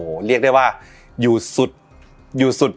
หลายสหะโตเรียกได้ว่าอยู่สุด